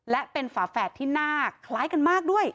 และเป็นฝาแฝดที่หน้าคล้ายกันมากด้วย